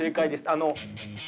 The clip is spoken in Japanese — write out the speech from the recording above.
あの。